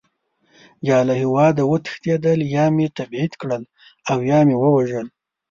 یا له هېواده وتښتېدل، یا مې تبعید کړل او یا مې ووژل.